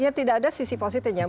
ya tidak ada sisi positifnya